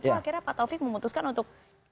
itu akhirnya pak taufik memutuskan untuk